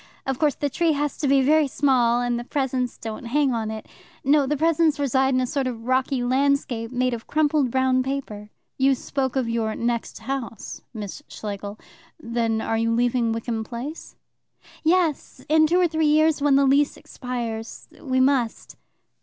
Of course, the tree has to be very small, and the presents don't hang on it. No; the presents reside in a sort of rocky landscape made of crumpled brown paper." "You spoke of your 'next house,' Miss Schlegel. Then are you leaving Wickham Place?" "Yes, in two or three years, when the lease expires. We must."